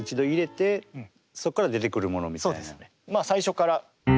まあ最初から。